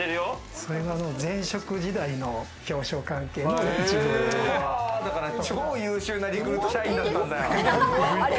それは前職時代の表彰関係の超優秀なリクルート社員だったんだ。